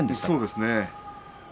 そうですね。